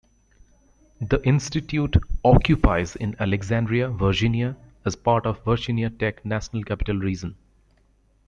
The Institute occupies in Alexandria, Virginia, as part of Virginia Tech National Capital Region.